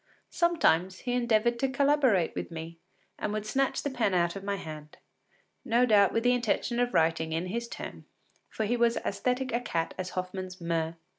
Sometimes he endeavoured to collaborate with me, and would snatch the pen out of my hand, no doubt with the intention of writing in his turn, for he was as æsthetic a cat as Hoffmann’s Murr.